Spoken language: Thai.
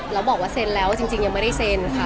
แล้วบอกว่าเซ็นแล้วจริงยังไม่ได้เซ็นค่ะ